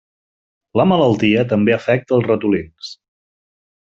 La malaltia també afecta als ratolins.